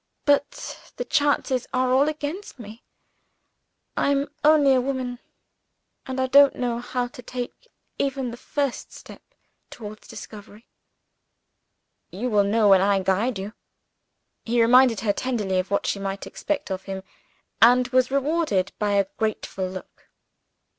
But the chances are all against me I am only a woman; and I don't know how to take even the first step toward discovery." "You will know, when I guide you." He reminded her tenderly of what she might expect from him, and was rewarded by a grateful look.